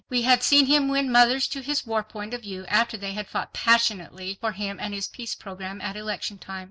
We had seen him win mothers to his war point of view after they had fought passionately for him and his peace program at election time.